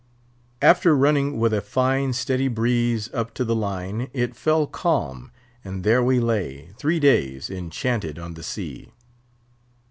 After running with a fine steady breeze up to the Line, it fell calm, and there we lay, three days enchanted on the sea.